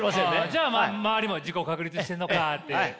じゃあ周りも自己を確立してるのかって。